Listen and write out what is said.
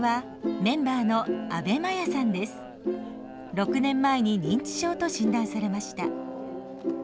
６年前に認知症と診断されました。